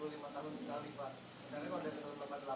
tadi saya terima kasih kalau pt kai adalah penyelenggaraan tanpa lahan